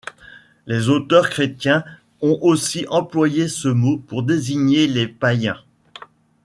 Les auteurs chrétiens ont aussi employé ce mot pour désigner les païens.